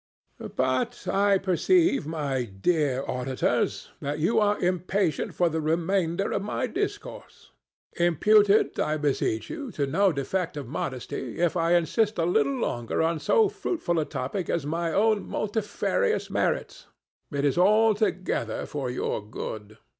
But I perceive, my dear auditors, that you are impatient for the remainder of my discourse. Impute it, I beseech you, to no defect of modesty if I insist a little longer on so fruitful a topic as my own multifarious merits. It is altogether for your good.